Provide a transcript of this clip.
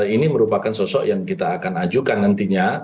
ini merupakan sosok yang kita akan ajukan nantinya